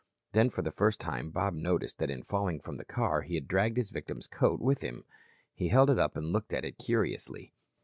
Then for the first time Bob noticed that in falling from the car he had dragged his victim's coat with him. He held it up and looked at it curiously.